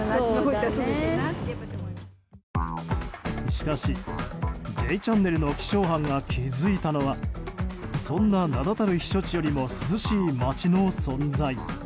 しかし、「Ｊチャンネル」の気象班が気付いたのはそんな名だたる避暑地よりも涼しい街の存在。